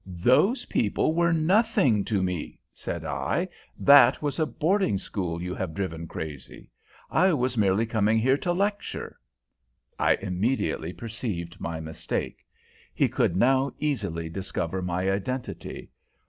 "Those people were nothing to me," said I. "That was a boarding school you have driven crazy. I was merely coming here to lecture " I immediately perceived my mistake. He could now easily discover my identity.